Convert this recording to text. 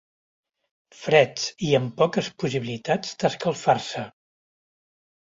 Freds i amb poques possibilitats d'escalfar-se.